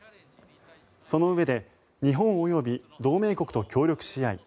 そのうえで日本及び同盟国と協力し合い